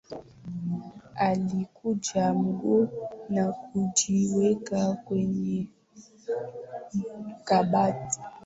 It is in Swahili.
Alikunja nguo na kuziweka kwenye kabati